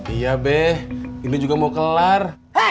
iya beh ini juga mau kelar